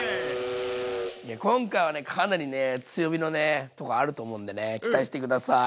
今回はねかなり強火のとこあると思うんで期待して下さい。